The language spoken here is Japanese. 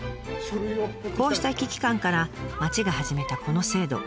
こうした危機感から町が始めたこの制度。